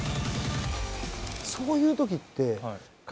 そういう時って監督